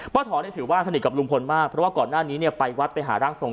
ถอนถือว่าสนิทกับลุงพลมากเพราะว่าก่อนหน้านี้ไปวัดไปหาร่างทรง